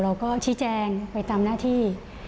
เราก็ชี้แจงไปตามหน้าที่